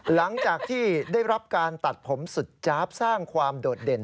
หลังจากที่ได้รับการตัดผมสุดจ๊าบสร้างความโดดเด่น